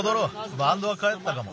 バンドはかえったかも。